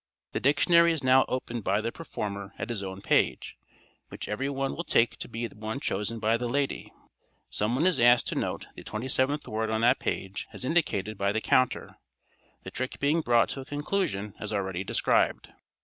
The dictionary is now opened by the performer at his own page, which every one will take to be the one chosen by the lady; someone is asked to note the twenty seventh word on that page as indicated by the counter, the trick being brought to a conclusion as already described.